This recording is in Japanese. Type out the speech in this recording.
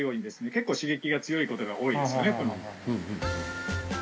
結構刺激が強いことが多いんですよね